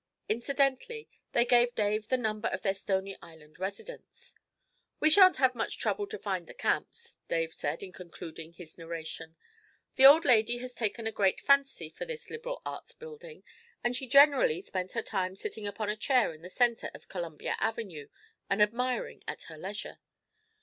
Incidentally they gave Dave the number of their Stony Island residence. 'We shan't have much trouble to find the Camps,' Dave said in concluding his narration. 'The old lady has taken a great fancy for the Liberal Arts Building, and she generally spends her time sitting upon a chair in the centre of Columbia Avenue and admiring at her leisure.